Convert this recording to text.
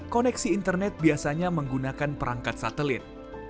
koneksi internet biasanya menggunakan perangkat satelit